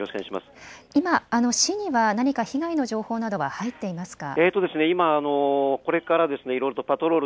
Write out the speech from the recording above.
今、市には何か被害の情報などは入っていますか。